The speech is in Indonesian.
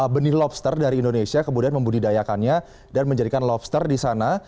benih lobster dari indonesia kemudian membudidayakannya dan menjadikan lobster di sana